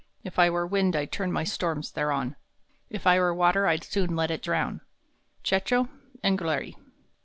If I were wind I d turn my storms thereon, If I were water I d soon let it drown. Cecco Angolieri.